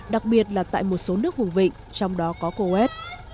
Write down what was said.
đặc biệt là tại một số nước vùng vịnh trong đó có coes